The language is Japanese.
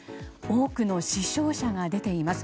多くの死傷者が出ています。